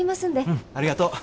うんありがとう。